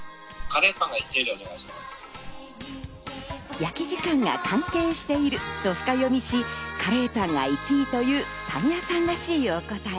焼き時間が関係していると深読みし、カレーパンが１位というパン屋さんらしいお答え。